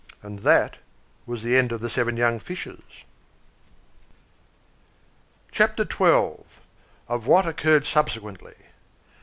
And that was the end of the seven young Fishes. CHAPTER XII. OF WHAT OCCURRED SUBSEQUENTLY.